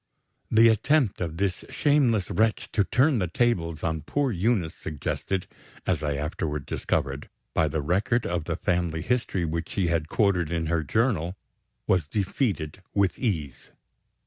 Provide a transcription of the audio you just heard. The attempt of this shameless wretch to "turn the tables" on poor Eunice suggested, as I afterward discovered, by the record of family history which she had quoted in her journal was defeated with ease.